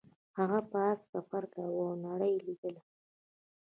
هغه په اس سفر کاوه او نړۍ یې لیدله.